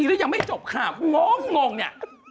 หรือยังไม่จบค่ะงงเนี่ย